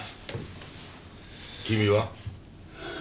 君は？